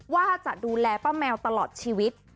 ว่าจะดูแลป้าแมวตลอดชีวิต